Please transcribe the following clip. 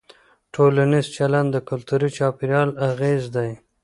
ټولنیز چلند د کلتوري چاپېریال اغېز دی.